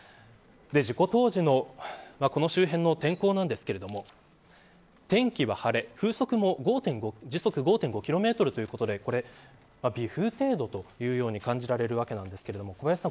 事故当時のこの周辺の天候なんですけれども天気は晴れ風速も時速５．５キロメートルということで微風程度というように感じられるわけなんですけれども小林さん